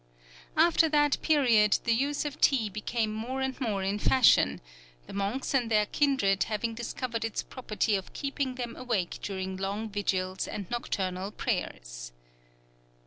After that period, the use of tea became more and more in fashion, the monks and their kindred having discovered its property of keeping them awake during long vigils and nocturnal prayers.